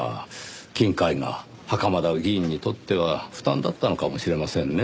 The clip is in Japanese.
金塊が袴田議員にとっては負担だったのかもしれませんね。